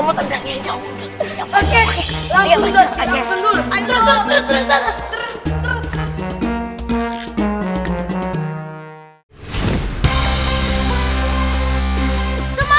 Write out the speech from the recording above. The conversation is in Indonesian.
masih dua sama